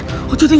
aku sudah menang